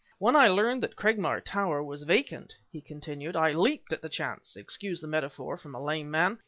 "When I learned that Cragmire Tower was vacant," he continued, "I leaped at the chance (excuse the metaphor, from a lame man!).